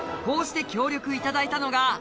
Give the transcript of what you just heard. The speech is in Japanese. こうして協力いただいたのが。